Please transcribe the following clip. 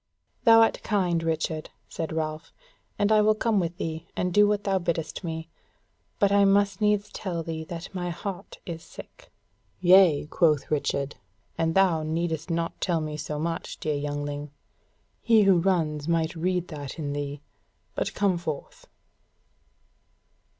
"Thou art kind, Richard," said Ralph; "and I will come with thee, and do what thou biddest me; but I must needs tell thee that my heart is sick." "Yea," quoth Richard, "and thou needest not tell me so much, dear youngling; he who runs might read that in thee. But come forth."